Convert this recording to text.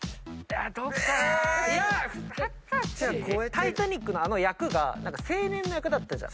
『タイタニック』のあの役が青年の役だったじゃん。